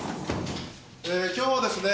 えー今日はですね